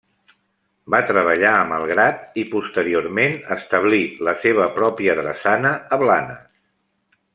Va treballar a Malgrat i posteriorment establí la seva pròpia drassana a Blanes.